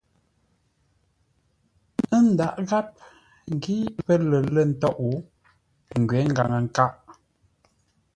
Ə́ ndǎghʼ gháp ngǐ pə́ lər lə̂ ntôʼ, ngwě ngaŋə-nkâʼ.